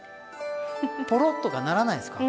ポロッとかならないんですか？